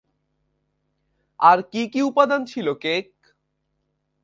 আর কী কী উপাদান ছিল কেক?